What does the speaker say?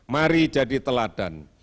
mari jadi teladan